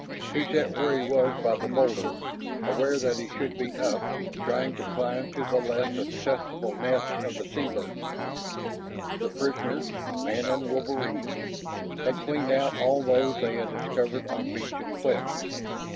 He sat where he was by the boulder, aware that he should be up, trying to climb to the less accessible nests of the sea birds. The prisoners, man and wolverines, had cleaned out all those they had discovered on beach and cliffs.